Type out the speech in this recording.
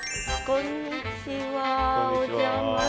こんにちは。